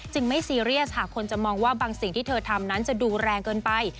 ไม่ซีเรียสหากคนจะมองว่าบางสิ่งที่เธอทำนั้นจะดูแรงเกินไป